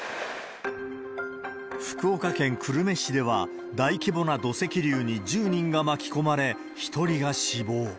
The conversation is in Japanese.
福岡県久留米市では、大規模な土石流に１０人が巻き込まれ、１人が死亡。